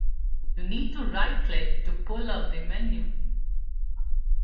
You need to right click to pull up the menu.